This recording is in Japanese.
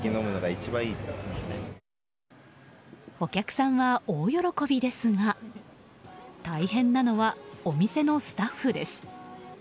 お客さんは大喜びですが大変なのはお店のスタッフです。